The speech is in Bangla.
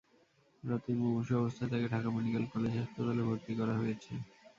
রাতেই মুমূর্ষু অবস্থায় তাঁকে ঢাকা মেডিকেল কলেজ হাসপাতালে ভর্তি করা হয়েছে।